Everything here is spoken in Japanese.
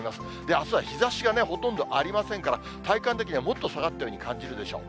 あすは日ざしがほとんどありませんから、体感的にはもっと下がったように感じるでしょう。